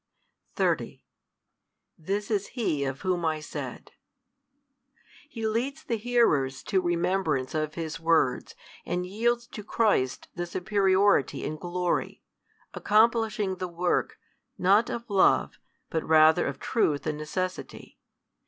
30 This is He of Whom I said. He leads the hearers to remembrance of his words, and yields to Christ the superiority in glory, accomplishing the work, not of love, but rather of truth and necessity.